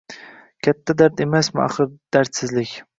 Katta dard emasmi axir dardsizlik.